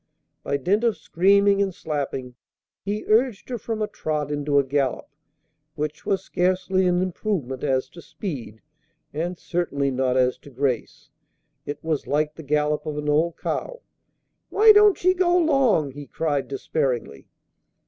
By dint of screaming and slapping, he urged her from a trot into a gallop, which was scarcely an improvement as to speed, and certainly not as to grace. It was like the gallop of an old cow. "Why don't ye go 'long?" he cried, despairingly.